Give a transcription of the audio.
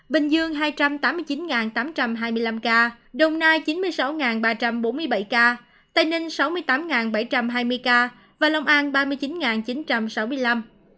bình dương hai trăm tám mươi chín tám trăm hai mươi năm ca đồng nai chín mươi sáu ba trăm bốn mươi bảy ca tây ninh sáu mươi tám bảy trăm hai mươi ca và long an ba mươi chín chín trăm sáu mươi năm